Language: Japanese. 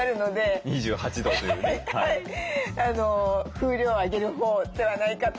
風量を上げるほうではないかと。